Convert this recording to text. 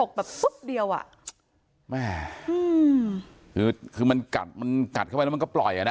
ถกแบบปุ๊บเดียวอ่ะคือคือมันกัดเข้าไปแล้วมันก็ปล่อยอ่ะน่ะ